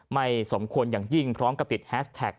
ไม่สมควรอย่างยิ่งพร้อมกับติดแฮสแท็ก